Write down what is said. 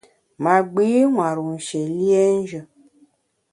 Ma gbi nwar-u nshié liénjù.